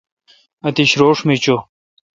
اتش روݭ می چو۔